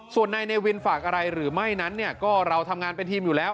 ส่วนนายเนวินฝากอะไรหรือไม่นั้นเนี่ยก็เราทำงานเป็นทีมอยู่แล้ว